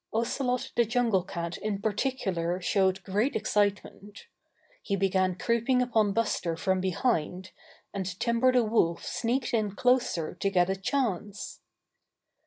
Ocelot the Jungle Cat in particular showed great excitement. He began creeping upon Buster from behind, and Timber the Wolf sneaked in closer to get a chance.